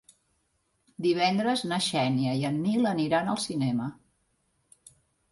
Divendres na Xènia i en Nil aniran al cinema.